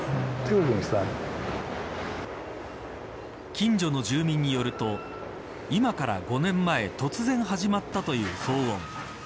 近所の住民によると今から５年前突然始まったという騒音。